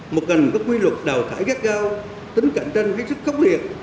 một ngành có quy luật đào thải gác cao tính cạnh tranh với sức khốc liệt